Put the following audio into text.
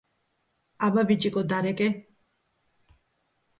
- აბა, ბიჭიკო, დარეკე!